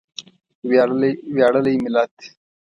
ویاړلی ملت.